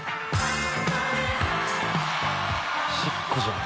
シックじゃん。